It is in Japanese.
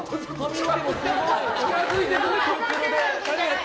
近づいてくる！